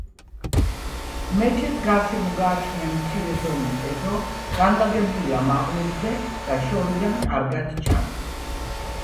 მეჩეთს გარშემო გააჩნია მცირე ზომის ეზო, განლაგებულია მაღლობზე და შორიდან კარგად ჩანს.